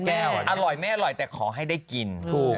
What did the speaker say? แก้วอร่อยไม่อร่อยแต่ขอให้ได้กินถูก